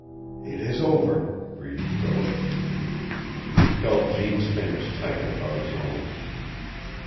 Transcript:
"It is over," breathed Philip. He felt Jeanne's fingers tighten about his own.